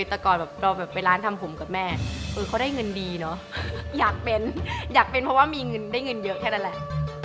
แต่ก่อนแบบเราแบบไปร้านทำผมกับแม่เขาได้เงินดีเนอะอยากเป็นอยากเป็นเพราะว่ามีเงินได้เงินเยอะแค่นั้นแหละ